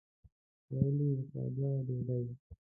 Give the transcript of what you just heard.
ویل یې خوږه ډوډۍ.